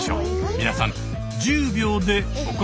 皆さん１０秒でお答え下さい。